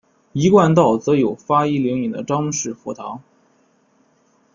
一贯道则有发一灵隐的张氏佛堂。